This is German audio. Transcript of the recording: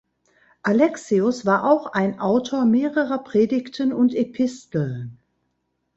Alexius war auch ein Autor mehrerer Predigten und Episteln.